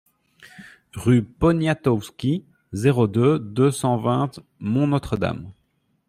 Rue Poniatowski, zéro deux, deux cent vingt Mont-Notre-Dame